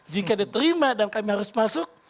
jika diterima dan kami harus masuk